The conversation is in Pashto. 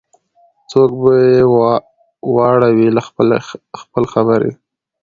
څوک به یې واړوي له خپل خبري